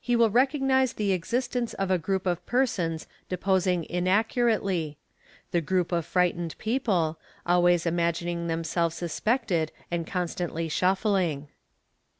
Will recognise the existence of a group of persons deposing inaccurately ; he group of frightened people, always imagining preriselxes suspected and constantly shuffling.